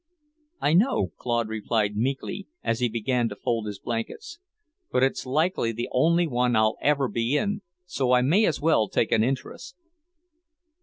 "I know," Claude replied meekly, as he began to fold his blankets. "But it's likely the only one I'll ever be in, so I may as well take an interest."